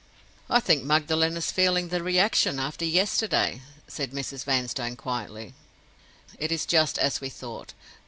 "I think Magdalen is feeling the reaction, after yesterday," said Mrs. Vanstone, quietly. "It is just as we thought.